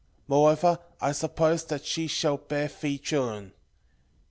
Moreover I suppose that she shall bear thee children.